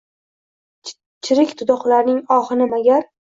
Chirik dudoqlarning ohini magar.